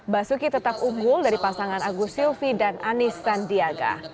basuki tetap unggul dari pasangan agus silvi dan anis sandiaga